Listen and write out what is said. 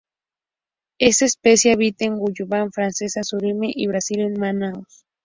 Esta especie habita en Guayana Francesa, Suriname y Brasil en Manaos.